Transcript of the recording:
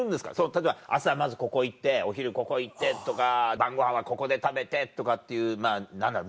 例えば朝まずここ行ってお昼ここ行ってとか晩ごはんはここで食べてとかっていう何だろう